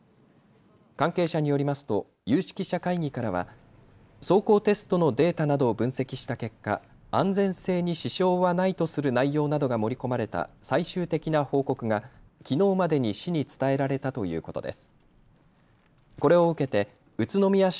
関係者によりますと有識者会議からは走行テストのデータなどを分析した結果、安全性に支障はないとする内容などが盛り込まれた最終的な報告がきのうまでに市に伝えられたということです。